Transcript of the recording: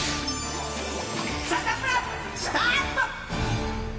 サタプラ、スタート。